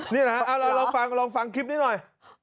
นี่นะฮะลองฟังลองฟังคลิปนี้หน่อย